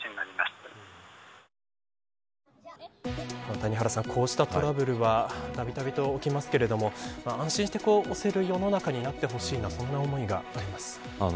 谷原さん、こうしたトラブルはたびたび起きますが安心して過ごせる世の中になってほしいという思いがあります。